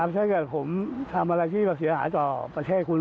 ถ้าเกิดผมทำอะไรที่เสียหายต่อประเทศคุณ